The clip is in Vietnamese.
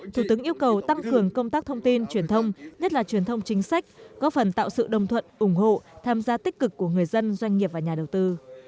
thủ tướng yêu cầu tăng cường công tác thông tin truyền thông nhất là truyền thông chính sách góp phần tạo sự đồng thuận ủng hộ tham gia tích cực của người dân doanh nghiệp và nhà đầu tư